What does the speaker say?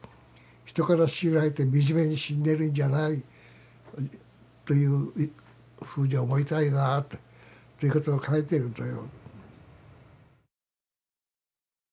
人から強いられて惨めに死んでるんじゃないというふうに思いたいなっていうことを書いてるんだよ。